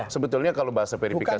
sebetulnya kalau bahasa verifikasi